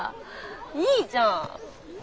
いいじゃん！